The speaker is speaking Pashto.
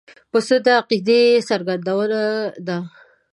پسه د عقیدې څرګندونه ده.